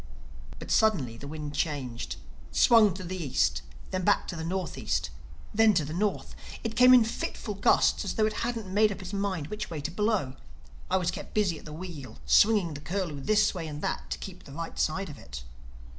But suddenly the wind changed, swung to the East, then back to the Northeast—then to the North. It came in fitful gusts, as though it hadn't made up its mind which way to blow; and I was kept busy at the wheel, swinging the Curlew this way and that to keep the right side of it.